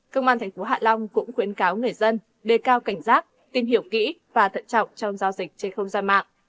cơ quan thành phố hạ long cũng khuyến cáo người dân đề cao cảnh giác tìm hiểu kỹ và thận trọng trong giao dịch trên không gian mạng